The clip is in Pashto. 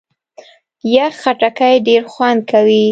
یخ خټکی ډېر خوند کوي.